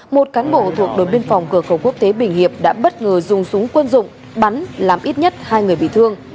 một cán bộ thuộc đội biên phòng cửa khẩu quốc tế bình hiệp đã bất ngờ dùng súng quân dụng bắn làm ít nhất hai người bị thương